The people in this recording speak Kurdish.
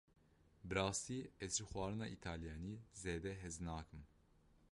Bi rastî ez ji xwarina Îtalyanî zêde hez nakim.